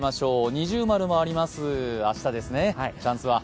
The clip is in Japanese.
二重丸もあります、明日ですね、チャンスは。